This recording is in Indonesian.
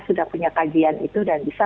sudah punya kajian itu dan bisa